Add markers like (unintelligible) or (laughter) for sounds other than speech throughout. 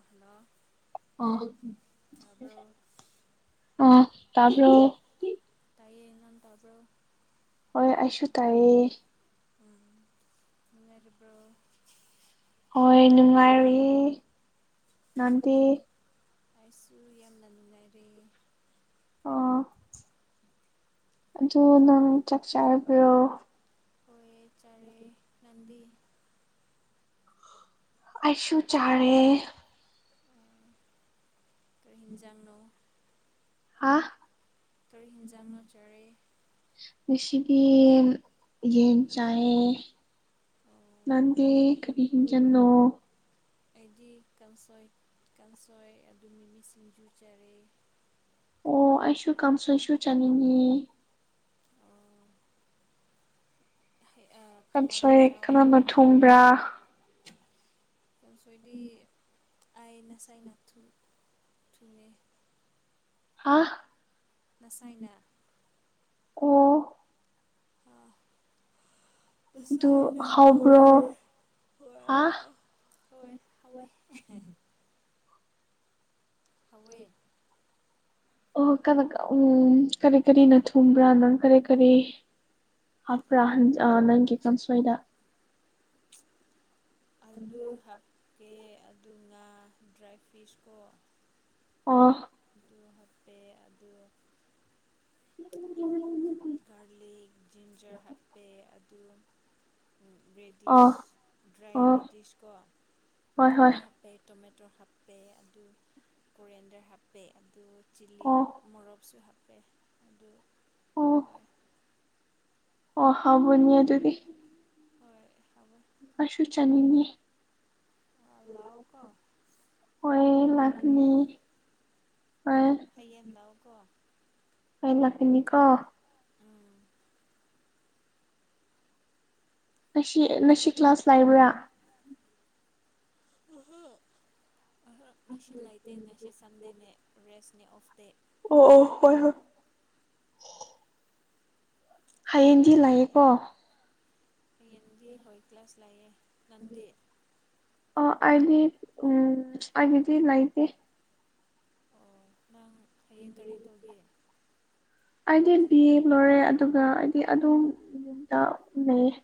ꯑꯍꯂ ꯑ ꯑ ꯇꯥꯄ ꯇꯥꯏꯌꯦꯅꯅ ꯇꯥꯕ꯭ꯔꯣ ꯍꯣꯏ ꯑꯩꯁꯨ ꯇꯥꯏꯌꯦꯦ ꯎ ꯃꯔꯤꯕ꯭ꯔꯣ ꯍꯣꯏ ꯅꯨꯡꯉꯥꯏꯔꯨꯏ ꯥꯟꯇ ꯑꯩꯁꯨ ꯌꯥꯝꯅ ꯅꯨꯡꯉꯥꯏꯔꯦ ꯑꯣ ꯑꯗꯨ ꯅꯪ ꯆꯥꯛ ꯆꯥꯕꯤꯔꯣ ꯍ ꯆꯠ ꯎ ꯅꯗꯤ ꯑꯁꯨ ꯆꯥꯔꯦ ꯀ ꯍꯤꯟꯖꯥꯡꯅꯣ ꯍꯥ ꯔ ꯍꯤꯟꯖꯥꯡ ꯆꯔꯦ ꯁꯤꯗꯤ ꯏ ꯆꯌꯦ ꯑꯣ ꯑ ꯀꯔꯤꯒꯤ ꯀꯟꯅꯣ ꯑꯩꯗꯤ ꯀꯥꯡꯁꯣꯏ ꯀꯥꯡꯁꯣꯏ ꯑꯗꯨ ꯃꯤ ꯃꯤ ꯁꯤꯡꯖꯨ ꯆꯔꯦ ꯑꯣ ꯑꯩꯁꯨ ꯀꯥꯡꯁꯣꯏꯁꯨ ꯆꯥꯅꯤꯡꯉ ꯇꯣꯃꯥꯣ ꯀꯥꯡꯁꯣꯏ ꯆ ꯀꯣ ꯀꯅꯥꯅ ꯊꯣꯡꯕ꯭ꯔꯥ ꯍꯥꯏꯅꯤ ꯇꯁꯣꯏꯗꯤ ꯑꯥꯏꯩꯅꯁꯥꯏ ꯊꯨꯅꯤ ꯍꯥꯥ ꯅꯁꯥꯏꯅ ꯑꯣ ꯑ ꯑꯗꯨ ꯇꯁꯥꯏꯅ ꯍꯥꯎꯕ꯭ꯔꯣ ꯇꯣꯔꯦ ꯍꯥ ꯊꯌꯥ ꯍꯣꯏ ꯍꯋꯥꯏ ꯊꯋꯦ ꯑꯣ ꯀ ꯎꯝ ꯀꯔꯤ ꯀꯔꯤꯅ ꯊꯨꯝꯕ꯭ꯔꯥ ꯅꯪ ꯀꯔꯤ ꯀꯔꯤ ꯍꯥꯞꯄ꯭ꯔꯥ ꯅꯪꯒꯤ ꯀꯥꯡꯁꯣꯏꯗ ꯑꯂꯨ ꯍꯥꯞꯀꯦ ꯑꯗꯨꯒ ꯗ꯭ꯔꯥꯏ ꯐꯨꯔꯤꯁꯀꯣ ꯑꯣ ꯑꯗꯨ ꯍꯥꯞꯄꯦ ꯑꯗꯨ ꯒꯥꯔꯂꯤꯛ ꯖꯤꯟꯖꯔ ꯍꯥꯞꯄꯦ ꯑꯗꯨ ꯑꯣ ꯔꯦꯗꯤꯁ ꯗ꯭ꯔꯥꯏ ꯑꯣ ꯔꯦꯗꯤꯁ ꯀꯣ ꯍꯣꯏ ꯍꯣꯏ ꯑꯗꯨ ꯍꯥꯞꯄ ꯇꯣꯃꯦꯇꯣ ꯍꯥꯞꯄꯦ ꯑꯗꯨ ꯀꯣꯔꯤꯌꯥꯟꯗꯔ ꯍꯥꯞꯄꯦ ꯑꯗꯨ ꯆꯤꯂꯤ ꯑꯣ ꯃꯣꯔꯣꯛꯁꯨ ꯍꯥꯞꯄꯦ ꯑꯗꯨ ꯑꯣ ꯍꯣꯏ ꯑꯣ ꯍꯥꯎꯕꯅꯦ ꯑꯗꯨꯗꯤ ꯍꯣꯏ ꯍꯥꯎꯕꯅꯦ ꯑꯩꯁꯨ ꯆꯥꯅꯤꯡꯉꯦ ꯂꯥꯛꯑꯣꯀꯣ ꯍꯣꯏ ꯉꯔꯥꯡꯅ ꯂꯥꯛꯅꯤ ꯐꯩꯌꯦ ꯍꯌꯦꯡ ꯂꯥꯜꯎꯀꯣ ꯍꯌꯦꯡ ꯂꯥꯛꯀꯅꯤꯀꯣ ꯎꯝ ꯉꯁꯤ ꯉꯁꯤ ꯀ꯭ꯂꯥꯁ ꯂꯥꯛꯏꯕ꯭ꯔ ꯑꯍ ꯉꯁꯤ ꯂꯩꯇꯦ ꯉꯁꯤ ꯁꯟꯗꯦꯅꯦ ꯔꯦꯁꯅꯦ ꯑꯣꯐꯇꯦ ꯑꯣ ꯑꯣ ꯍꯣꯏ ꯍꯣꯏ ꯍꯌꯦꯡꯗꯤ ꯂꯥꯛꯑꯦꯀꯣ ꯍꯌꯦꯡꯗꯤ ꯀ꯭ꯂꯥꯁ ꯂꯥꯛꯑꯦ ꯅꯪꯗꯤ ꯑ ꯑꯩꯗꯤ ꯑꯝ ꯑꯩꯒꯤꯗꯤ ꯂꯩꯇꯦ ꯑꯣ ꯅꯪ ꯍꯌꯦꯡ ꯀꯔꯤ ꯇꯧꯒꯦ ꯑꯩꯗꯤ ꯕꯤ ꯑꯦ ꯂꯣꯏꯔꯦ ꯑꯗꯨꯒ ꯑꯩꯗꯤ ꯑꯗꯨꯝ ꯌꯨꯝꯗ ꯂꯩꯌꯦ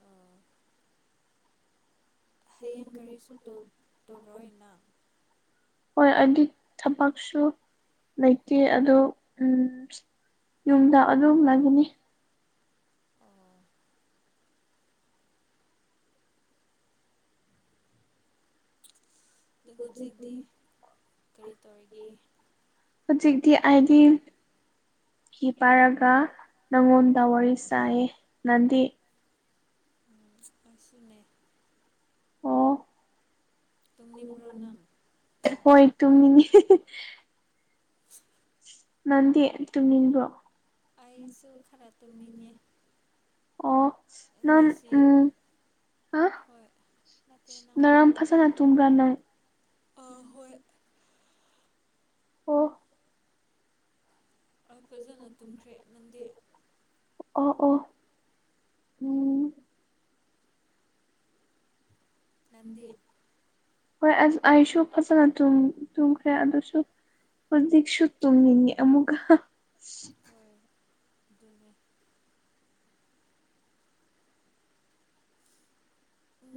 ꯑꯥ ꯍꯌꯦꯡ ꯀꯔꯤꯁꯨ ꯇꯧ ꯇꯧꯔꯣꯏꯅ ꯍꯣꯏ ꯑꯗꯨ ꯊꯕꯛꯁꯨ ꯂꯩꯇꯦ ꯑꯗꯣ ꯎꯝ ꯌꯨꯝꯗ ꯑꯗꯨꯝ ꯂꯩꯒꯅꯤ ꯑꯗꯣ ꯍꯧꯖꯤꯛꯇꯤ ꯀꯔꯤ ꯇꯧꯔꯤꯒꯦ ꯍꯧꯖꯤꯛꯇꯤ ꯑꯥꯏꯗꯤ ꯐꯤ ꯄꯥꯏꯔꯒ ꯅꯪꯉꯣꯟꯗ ꯋꯥꯔꯤ ꯁꯥꯏꯌꯦ ꯅꯪꯗꯤ ꯅꯪꯁꯨꯅꯦ ꯑꯣ ꯇꯨꯝꯅꯤꯡꯕ꯭ꯔꯣ ꯅꯪ ꯍꯣꯏ ꯇꯨꯝꯅꯤꯡꯉꯦ ꯅꯪꯗꯤ ꯇꯨꯝꯅꯤꯡꯕ꯭ꯔꯣ ꯑꯩꯥꯁꯨ ꯈꯔ ꯇꯨꯝꯅꯤꯡꯉꯦ ꯑꯣ ꯅꯪ ꯉꯁꯤ ꯎꯝ ꯍꯪꯍ ꯍꯣꯏ ꯅꯠꯇꯦ ꯅꯪ ꯉꯔꯥꯡ ꯐꯖꯅ ꯇꯨꯝꯕ꯭ꯔꯥ ꯅꯪ ꯑ ꯍꯣꯏ ꯑꯣ ꯑ ꯐꯖꯅ ꯇꯨꯝꯈ꯭ꯔꯦ ꯅꯪꯗꯤ ꯑꯣ ꯑꯣ ꯎꯝ ꯅꯪꯗꯤ ꯍꯣꯏ ꯑꯩ ꯑꯩꯁꯨ ꯐꯖꯅ ꯇꯨꯝꯈ꯭ꯔꯦ ꯑꯗꯨꯁꯨ ꯍꯧꯖꯤꯛꯁꯨ ꯇꯨꯝꯃꯤꯅꯦ ꯑꯃꯨꯛꯀ ꯍꯣꯏ ꯑꯗꯨꯅꯦ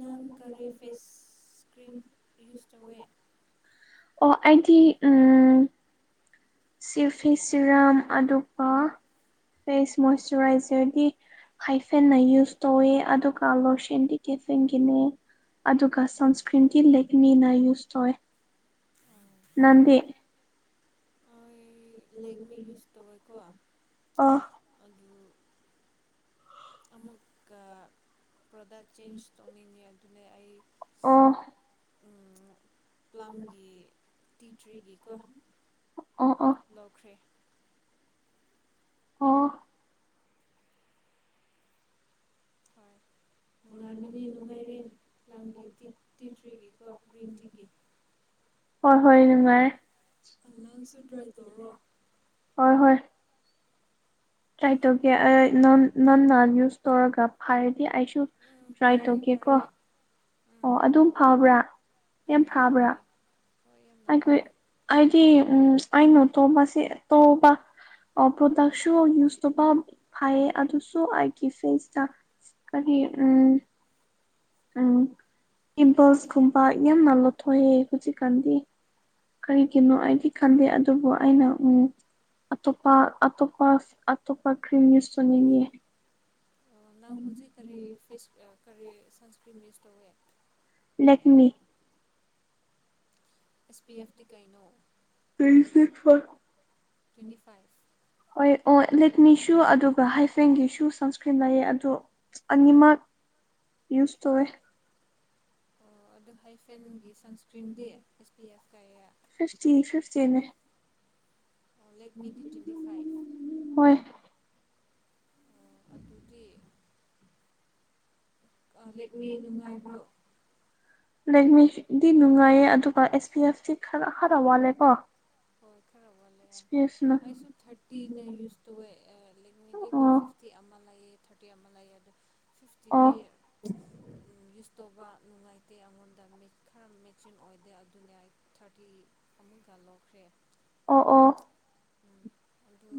ꯅꯪ ꯀꯔꯤ ꯐꯦꯁ ꯀ꯭ꯔꯤꯝ ꯌꯨꯁ ꯇꯧꯋꯤ ꯑꯣ ꯑꯩꯗꯤ ꯎꯝ ꯁꯤꯔꯐꯤ ꯁꯤꯔꯝ ꯑꯗꯨꯒ ꯐꯦꯁ ꯃꯣꯏꯁꯆꯔꯥꯏꯖꯔꯒꯤ ꯍꯥꯏꯐꯦꯟꯅ ꯌꯨꯁ ꯇꯧꯋꯦ ꯑꯗꯨꯒ ꯂꯣꯁꯟꯗꯤ ꯀꯦꯐꯤꯟꯒꯤꯅꯤ ꯑꯗꯨꯒ ꯁꯟꯁꯀ꯭ꯔꯤꯟꯗꯤ ꯂꯦꯛꯃꯤꯅ ꯌꯨꯁ ꯇꯧꯋꯦ ꯅꯪꯗꯤ ꯑꯩ ꯂꯦꯛꯃꯤ ꯌꯨꯁ ꯇꯧꯋꯦꯀꯣ ꯑ ꯑꯗꯨ ꯑꯃꯨꯛꯀ ꯄ꯭ꯔꯗꯛ ꯆꯦꯟꯖ ꯇꯧꯅꯤꯡꯉꯦ ꯑꯗꯨꯅꯦ ꯑꯩ ꯑꯣ (inaudible) ꯄ꯭ꯂꯝꯒꯤ ꯇꯤ ꯇ꯭ꯔꯤꯒꯤꯀꯣ ꯑꯣ ꯑꯣ ꯂꯧꯈ꯭ꯔꯦ ꯑꯣ ꯍꯣꯏ ꯅꯨꯡꯉꯥꯏꯕꯅꯤ ꯅꯨꯡꯉꯥꯏꯔꯦ ꯂꯝꯥꯒꯤ ꯇꯤꯛꯇ꯭ꯔꯤꯒꯤꯀꯣ ꯒ꯭ꯔꯤꯟ ꯇꯤꯒꯤ ꯍꯣꯏ ꯍꯣꯏ ꯅꯨꯡꯉꯥꯏꯔꯦ ꯍꯜꯂꯁꯨ ꯇ꯭ꯔꯥꯏ ꯇꯧꯔꯣ ꯍꯣꯏ ꯍꯣꯏ ꯇ꯭ꯔꯥꯏ ꯇꯧꯒꯦ ꯅꯪꯅ ꯌꯨꯁ ꯇꯧꯔꯒ ꯐꯔꯗꯤ ꯑꯩꯁꯨ ꯎꯝ ꯇ꯭ꯔꯥꯏ ꯐꯔꯦ ꯇꯧꯒꯦꯀꯣ ꯐꯔꯦ ꯑꯣ ꯎꯝ ꯑꯗꯨꯝ ꯐꯕ꯭ꯔꯥ ꯌꯥꯝ ꯎꯝ ꯐꯕ꯭ꯔꯥ ꯐꯔꯦ ꯍꯣꯏ ꯌꯥꯝꯅ ꯑꯩꯈꯣꯏ ꯐꯔꯦ ꯍꯥꯏꯗꯤ ꯎꯝ ꯑꯩ ꯅꯣꯠ ꯇꯧꯕꯁꯤ ꯇꯧꯕ ꯑ ꯄ꯭ꯔꯗꯛꯁꯨ ꯌꯨꯁ ꯇꯧꯕ ꯐꯩꯌꯦ ꯑꯗꯨꯁꯨ ꯑꯩꯒꯤ ꯐꯦꯁꯇ ꯀꯔꯤ ꯎꯝ ꯎꯝ ꯏꯝꯄꯜꯁꯀꯨꯝꯕ ꯌꯥꯝꯅ ꯂꯧꯊꯣꯛꯑꯦ ꯍꯧꯖꯤꯛꯀꯥꯟꯗꯤ ꯀꯔꯤꯒꯤꯅꯣ ꯑꯩꯗꯤ ꯈꯟꯗꯦ ꯑꯗꯨꯕꯨ ꯑꯩꯅ ꯎꯝ ꯑꯇꯣꯞꯄ ꯑꯇꯣꯞꯄ ꯑꯇꯣꯞꯄ ꯀ꯭ꯔꯤꯝ ꯌꯨꯁ ꯇꯧꯅꯤꯡꯉꯤ ꯑꯣ ꯅꯪ ꯍꯧꯖꯤꯛ ꯀꯔꯤ ꯐꯤꯁ ꯀꯔꯤ ꯁꯟꯁꯀ꯭ꯔꯤꯝ ꯌꯨꯁ ꯇꯧꯢ ꯂꯦꯛꯃꯤ ꯑꯦꯁ ꯄꯤ ꯑꯦꯐꯗꯤ ꯀꯩꯅꯣ ꯇ꯭ꯋꯦꯟꯇꯤ ꯐꯥꯏꯚ (unintelligible) ꯍꯣꯏ ꯑꯣ ꯂꯦꯛꯃꯤꯁꯨ ꯑꯗꯨꯒ ꯍꯥꯏꯐꯦꯡꯒꯤꯁꯨ ꯁꯟꯁꯀ꯭ꯔꯤꯟ ꯂꯩꯌꯦ ꯑꯗꯨ ꯑꯅꯤꯃꯛ ꯌꯨꯁ ꯇꯧꯋꯦ ꯑꯣ ꯑꯗꯨ ꯍꯥꯏꯐꯦꯟꯒꯤ ꯁꯟꯁꯀ꯭ꯔꯤꯟꯗꯤ ꯑꯦꯁ ꯄꯤ ꯑꯦꯐ ꯀꯩꯌꯦ ꯐꯤꯞꯇꯤ ꯐꯤꯞꯇꯤꯅꯦ ꯑꯣ ꯂꯦꯛꯃꯤꯗꯤ ꯇ꯭ꯋꯦꯟꯇꯤ ꯐꯥꯏꯚ ꯍꯣꯏ ꯑꯣ ꯑꯗꯨꯗꯤ ꯂꯦꯛꯃꯤ ꯅꯨꯡꯉꯥꯏꯕ꯭ꯔꯣ ꯂꯦꯛꯃꯤꯗꯤ ꯅꯨꯡꯉꯥꯏꯌꯦ ꯑꯗꯨꯒ ꯑꯦꯁ ꯄꯤ ꯑꯦꯐꯇꯤ ꯈꯔ ꯈꯔ ꯋꯥꯠꯂꯦꯀꯣ ꯍꯣꯏ ꯈꯔ ꯋꯥꯠꯂꯦ ꯄꯤ ꯑꯦꯐꯁꯤꯅ ꯑꯩꯁꯨ ꯊꯥꯔꯇꯤꯅꯦ ꯌꯨꯁ ꯇꯧꯋꯦ ꯂꯦꯛꯃꯤ ꯒꯤꯀꯣ ꯑꯣ ꯐꯤ ꯇꯤ ꯑꯃ ꯂꯩꯌ‌ꯦ ꯊꯥꯔꯇꯤ ꯑꯃ ꯂꯩꯌꯦ ꯑꯗꯨ ꯑꯣ ꯐꯤꯞꯇꯤꯗꯤ ꯎꯝ ꯌꯨꯁ ꯇꯧꯕ ꯅꯨꯡꯉꯥꯏ ꯇꯦ ꯑꯉꯣꯟꯗ ꯈꯔ ꯃꯦꯆꯤꯡ ꯑꯣꯏꯗꯦ ꯑꯗꯨꯅ ꯑꯩ ꯊꯥꯔꯇꯤ ꯑꯃꯨꯛ ꯂꯧ ꯈꯔ‌ꯦ ꯑꯣ ꯑꯣ ꯎꯝ ꯑꯗꯨ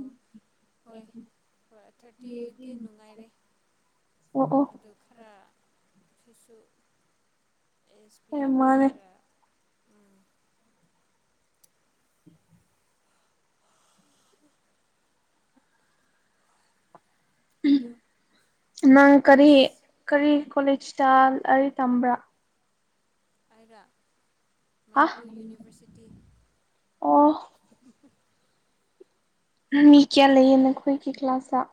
ꯍꯣꯏ ꯍꯣꯏ ꯊꯥꯔꯇꯤꯗꯤ ꯅꯨꯡꯉꯥꯏꯔꯦ ꯑꯣ ꯑꯣ ꯑꯗꯨ ꯈꯔꯥ ꯀꯩꯁꯨ ꯑꯦꯁ ꯄꯤ ꯍꯣꯏ ꯐꯦꯞꯇꯤ ꯃꯥꯅꯦ ꯈꯔ ꯎꯝ (unintelligible) ꯎꯝ ꯑꯗꯨ ꯅꯪ ꯀꯔꯤ ꯐꯁ ꯀꯔꯤ ꯀꯣꯂꯦꯖꯇ ꯂꯥꯏꯔꯤꯛ ꯇꯝꯕ꯭ꯔꯥ ꯑꯩꯔ‌ꯣ ꯍꯥ ꯃꯅꯤꯄꯨꯔ ꯌꯨꯅꯤꯚꯔꯁꯤꯇꯤ ꯑꯣ ꯃꯤ ꯀꯌꯥ ꯂꯩꯌꯦ ꯅꯈꯣꯏꯒꯤ ꯀ꯭ꯂꯥꯁꯇ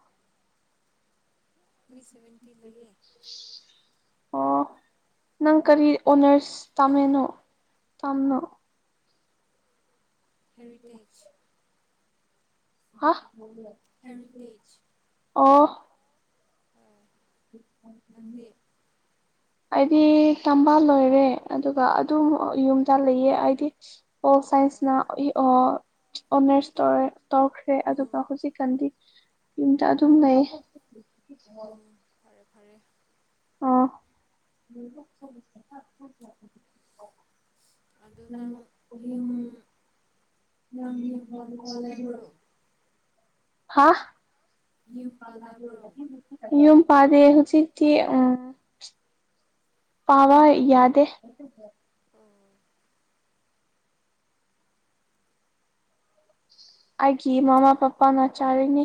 ꯃꯤ ꯁꯚꯦꯟꯇꯤ ꯂꯩꯌꯦ ꯑꯣ ꯅꯪ ꯀꯔꯤ ꯑꯣꯅꯔꯁ ꯇꯝꯃꯤꯅꯣ ꯇꯥꯝꯅꯣ ꯍꯦꯔꯤꯇꯦꯖ ꯍꯥ ꯍꯦꯔꯤꯇꯦꯖ ꯑꯣ ꯅꯪꯗꯤ ꯑꯩꯗꯤ ꯇꯝꯕꯥ ꯂꯣꯏꯔꯦ ꯑꯗꯨꯒ ꯑꯗꯨꯝ ꯌꯨꯝꯗ ꯂꯩꯌ‌ꯦ ꯑꯩꯗꯤ ꯄ‌ꯣꯜ ꯁꯥꯏꯟꯁꯅ ꯑꯣ ꯏ ꯑꯣ ꯑꯣꯅꯔꯁ ꯇꯧꯔꯦ ꯇꯧꯈ꯭ꯔꯦ ꯑꯗꯨꯒ ꯍꯧꯖꯤꯛꯀꯥꯟꯗꯤ ꯌꯨꯝꯗ ꯑꯗꯨꯝ ꯂꯩ ꯑꯣ (unintelligible) ꯐꯔꯦ ꯐꯔꯦ ꯑꯣ ꯑꯗꯨ ꯅꯪ ꯌꯨꯝ ꯅꯪ ꯌꯨꯝ ꯄꯥꯜ ꯄꯥꯜꯂꯕ꯭ꯔꯣ ꯍꯥꯥ ꯌꯨꯝ ꯄꯜꯂꯕꯨ ꯌꯝ ꯄꯗꯦ ꯍꯧ ꯎꯆ ꯑ ꯄꯥꯕ ꯌꯥꯗꯦ ꯑꯣ ꯑꯩꯒꯤ ꯃꯃꯥ ꯄꯄꯥꯅ ꯆꯥꯔꯤꯅꯤ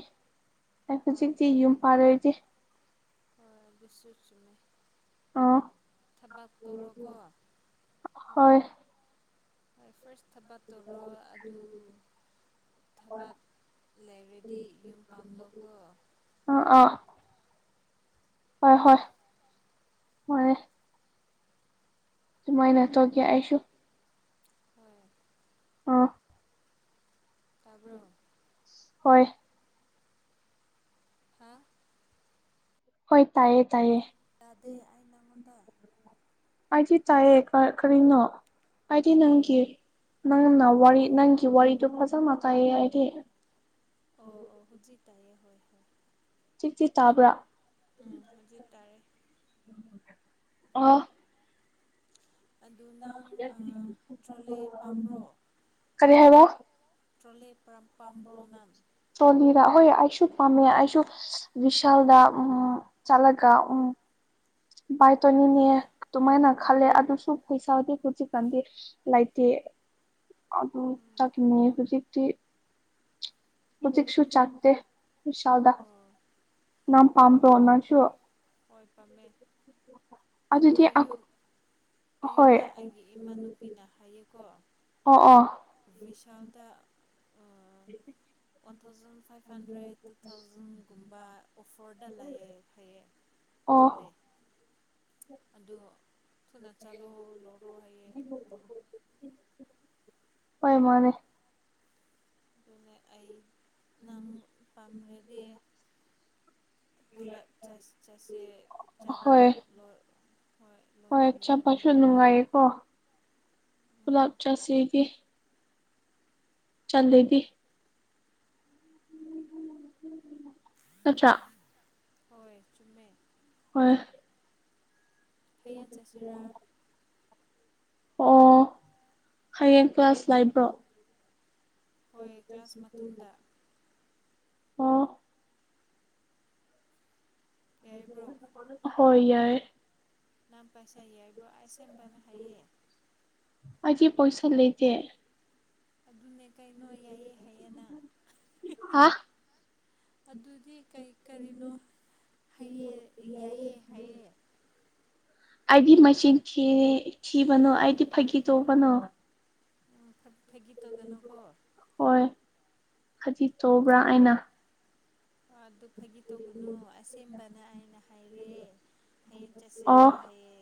ꯑꯩ ꯍꯣꯏ ꯍꯧꯖꯤꯛꯇꯤ ꯍꯣꯏ ꯌꯨꯝ ꯄꯥꯜꯂꯣꯏꯗꯦ ꯕꯤꯁꯁꯤ ꯑꯥ ꯊꯕꯥ ꯇꯔꯣꯀ ꯍꯣꯏ ꯍꯣꯏ ꯐꯥꯔꯁ ꯊꯥꯕꯠ ꯇꯧꯔꯣ ꯑꯗꯨ ꯊꯕꯛ ꯂꯩꯔꯗꯤ ꯌꯨꯝ ꯄꯥꯟꯂꯣꯀꯣ ꯑ ꯑꯥ ꯍꯣꯏ ꯍꯣꯏ ꯍꯣꯏ ꯃꯥꯏꯅ ꯇꯧ ꯑꯩꯁꯨ ꯍꯣꯏ ꯑꯣꯥꯐ ꯇꯥꯕ꯭ꯔꯣ ꯍꯣꯏ ꯍꯥꯥ ꯍꯣꯏ ꯇꯥꯏꯌꯦ ꯇꯥꯏꯌꯦ ꯇꯗꯦ ꯑꯩꯅꯉꯣꯟꯗ ꯍꯥꯏꯗꯤ ꯇꯥꯏꯌꯦ ꯀꯔꯤꯅꯣ ꯍꯥꯏꯗꯤ ꯑꯣ ꯅꯪꯒꯤ ꯅꯪꯅ ꯋꯥꯔꯤ ꯅꯪꯒꯤ ꯋꯥꯔꯤꯗꯨꯣ ꯐꯖꯅ ꯀꯥꯏꯌꯦ ꯍꯥꯏꯗꯤ ꯑꯣ ꯑꯣ ꯍꯖꯤ ꯇꯥꯏꯌꯦ ꯍꯣꯏ ꯍꯣꯏ ꯆꯤꯁꯤ ꯇꯥꯕ꯭ꯔꯥ ꯎꯝ ꯍꯥꯏꯖꯤ ꯇꯥꯔꯦ ꯑ ꯑꯗꯨ ꯅꯪ ꯇ꯭ꯔꯣꯂꯦ ꯄꯥꯝꯕ꯭ꯔꯣ ꯀꯔꯤ ꯍꯥꯏꯕ ꯇ꯭ꯔꯣꯂꯦ ꯄꯥꯝꯕ꯭ꯔꯣ ꯅꯥꯟ ꯇꯣꯂꯤꯗ ꯍꯣꯏ ꯑꯩꯁꯨ ꯄꯥꯝꯃꯦ ꯑꯩꯁꯨ ꯕꯤꯚꯤꯁꯥꯜꯗ ꯎꯝ ꯆꯠꯂꯒ ꯎꯝ ꯚꯥꯏ ꯇꯧꯅꯤꯅꯦ ꯑꯗꯨꯃꯥꯏꯅ ꯈꯜꯂꯦ ꯑꯗꯨꯁꯨ ꯄꯩꯁꯥꯗꯤ ꯍꯧꯖꯤꯛꯀꯥꯟꯗꯤ ꯂꯥꯏꯇ ꯇ ꯃꯤ ꯍꯧꯖꯤ ꯃꯊꯛꯁꯨ ꯆꯥꯛꯇꯦ ꯁꯥꯎꯗ ꯑꯣ ꯅ ꯄꯥꯝ ꯑꯣ ꯇꯣꯅꯁꯨ ꯍꯣꯏ ꯄꯥꯝꯃꯦ ꯑꯗꯨ ꯑꯗꯨꯗꯤ ꯑꯌꯨꯛ ꯍꯣꯏ ꯑꯌꯨꯗ ꯑꯩꯒꯤ ꯏꯃꯥꯅꯨꯄꯤꯅ ꯍꯥꯏꯌꯦꯀꯣ ꯑꯣ ꯑꯣ ꯕꯤꯁꯜꯗ (unintelligible) one thousand five hundred two ꯊꯥꯎꯖꯟꯒꯨꯝꯕ ꯑꯣꯐꯔꯗ ꯂꯑ ꯐꯩꯌꯦ ꯑꯣ ꯇ꯭ꯔꯣꯂꯦ ꯑꯗꯨ ꯐꯨꯅ ꯆꯥꯂꯣ ꯂꯧꯔꯣ ꯍꯥꯏꯌꯦ ꯍꯣꯏ ꯃꯥꯅꯦ ꯑꯗꯨꯅꯦ ꯑꯩ ꯅꯪ ꯄꯥꯝꯔꯦꯗꯤꯌꯦ ꯄꯨꯂ ꯆ ꯆꯥꯁꯤ ꯆꯥꯕ ꯍꯣꯏ ꯂꯣꯏ ꯍꯣꯏ ꯂꯣꯟꯅꯤꯡꯅꯤꯌꯦ ꯑꯗꯨꯅꯦ ꯑꯩ ꯑꯣꯣ ꯄꯨꯂꯥꯞ ꯆꯥꯁꯤꯒꯤ ꯆꯗꯗꯤ ꯎꯝ ꯑꯇ꯭ꯔ ꯍꯣꯏ ꯆꯨꯝꯃꯦ ꯍꯣꯏ ꯍꯌꯦꯟ ꯆꯆꯨꯔꯥ ꯑꯣ ꯍꯌꯦꯡ ꯀ꯭ꯂ꯭ꯂꯥꯁ ꯂꯩꯕ꯭ꯔꯣ ꯍꯣꯏ ꯀ꯭ꯂꯥꯁ ꯃꯇꯨꯡꯗ ꯑꯣ ꯌꯥꯏꯕ꯭ꯔꯣ (inaudible) (unintelligible) ꯍꯣꯏ ꯌꯥꯏ ꯅꯝ ꯄꯥꯏꯁꯥꯏꯕꯨ ꯑꯁ ꯁꯦꯝꯕꯅ ꯍꯌꯦ (inaudible) ꯑꯩꯗꯤ ꯄꯩꯁꯥ ꯂꯩꯇꯦ ꯑꯗꯨꯅꯦ ꯀꯩꯅꯣ ꯌꯥꯏꯌꯦ ꯍꯥꯏꯌꯦꯅ ꯍꯥ ꯑꯗꯨꯗꯤ ꯀꯔꯤ ꯀꯔꯤꯅꯣ ꯍꯥꯏꯌꯦ ꯌꯥꯏꯑ ꯍꯥꯏꯌꯦ ꯑꯩꯗꯤ ꯃꯆꯤꯟ ꯊꯤꯔꯦ ꯊꯤꯕꯅꯣ ꯑꯩꯗꯤ ꯐꯥꯒꯤ ꯇꯣꯛꯧꯕꯅꯣ ꯐꯥꯒꯤ ꯇꯧꯒꯅꯨꯀꯣ ꯍꯣꯏ ꯈꯗꯤ ꯇꯧꯕ꯭ꯔꯥ ꯑꯩꯅ ꯑꯗꯨ ꯐꯥꯒꯤ ꯇꯧꯕꯒꯅꯨ ꯑꯁꯦꯡꯕꯅ ꯑꯩꯅ ꯍꯥꯏꯔꯦ ꯍꯌꯦꯡ ꯑꯣ ꯆꯠꯁꯤꯔ ꯍꯥꯏꯌꯦ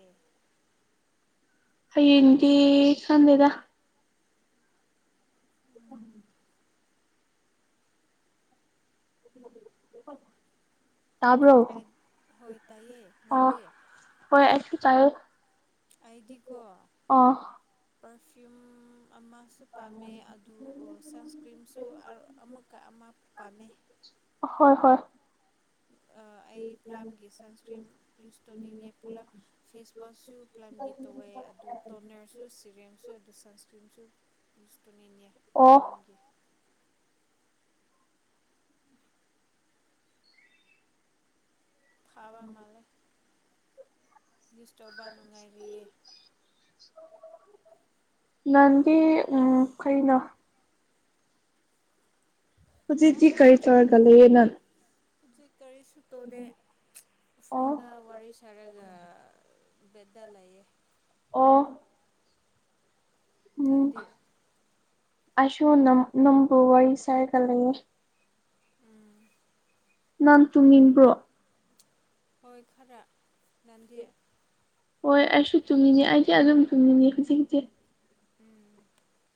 ꯍꯌꯦꯡꯗꯤ ꯁꯥꯟꯗꯦꯗ ꯎꯝ (unintelligible) (inaudible) ꯇꯕ꯭ꯔꯣ ꯍꯣꯏ ꯇꯥꯏꯌꯦ ꯑ ꯅꯪꯗꯤ ꯑꯣꯏꯣꯏ ꯇꯥꯏꯦ (inaudible) ꯑꯩꯗꯤꯀꯣ ꯄꯔꯐꯤꯌꯨꯝ ꯑꯃ ꯁꯨ ꯄꯥꯝꯃꯦ ꯑꯗꯨ ꯁꯟꯁꯀ꯭ꯔꯤꯟꯁꯨ ꯑꯃꯨꯛꯀ ꯑꯃ ꯄꯥꯝꯃꯦ ꯍꯣꯏ ꯍꯣꯏ (unintelligible) (inaudible) ꯑꯩ ꯄ꯭ꯂꯥꯂꯝꯒ ꯁꯟꯁꯀ꯭ꯔꯤꯟ ꯏꯁꯇꯣꯅꯤꯡ ꯄꯨꯂꯞ ꯐꯦꯁꯋꯥꯁꯁꯨ ꯄꯥꯂꯝꯈꯤ ꯇꯧꯋꯦ ꯑꯗꯨ ꯇꯣꯅꯔꯁꯨ ꯁꯤꯔꯤꯦꯝꯁꯨ ꯑꯗꯨ ꯁꯟꯁꯀ꯭ꯔꯤꯟꯁꯨ ꯌꯨꯁ ꯇꯧꯅꯤꯡꯉꯦ ꯑꯣ ꯂꯝꯒꯤ ꯈꯥ ꯃꯥꯂꯦ ꯗꯤꯁꯇꯔꯔꯕ ꯅꯨꯡꯉꯥꯏꯔꯤꯌꯦ ꯅꯪꯗꯤ ꯀꯩꯅꯣ ꯍꯥ ꯍꯧꯖꯤꯗꯤ ꯀꯔꯤ ꯆꯔꯒ ꯂꯩ ꯅ ꯍꯧꯖꯤꯛ ꯀꯔꯤꯁꯨ ꯇꯧꯗꯦ ꯑꯣ ꯐꯣꯟꯗ ꯋꯥꯔꯤ ꯁꯥꯔꯒ ꯕꯗꯥ ꯂꯩꯌꯦ ꯑꯣ (unintelligible) (inaudible) ꯎꯝ ꯅꯪꯗꯤ ꯑꯁꯨꯣ ꯅꯝ ꯅꯕꯨ ꯋꯥꯔꯤ ꯁꯥꯥꯏꯒꯂꯦ (inaudible) ꯎꯝ (unintelligible) (inaudible) ꯅꯥꯟ ꯇꯨꯡꯅꯤꯡꯕ꯭ꯔꯣ ꯍꯋꯥꯏ ꯈꯔꯥ ꯅꯟꯖꯦ ꯍꯣꯏ ꯑꯩꯁꯨ ꯆꯨꯝꯃꯤꯅꯤ ꯑꯩꯗꯤ ꯑꯗꯨꯝ ꯆꯨꯝꯃꯤꯅꯤ ꯍꯧꯖꯤꯛꯁꯦ ꯎꯝ (unintelligible) (inaudible)